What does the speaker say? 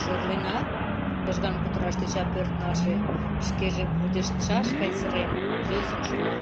Шӧрленат? — лыжган кутыраш тӧча пӧрт налше, шкеже пудештшаш гай сырен, йӧсын шӱла.